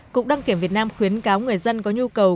cục đăng kiểm việt nam khuyến cáo người dân có nhu cầu